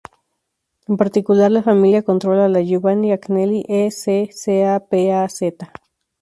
En particular, la familia controla la Giovanni Agnelli e C. S.a.p.az.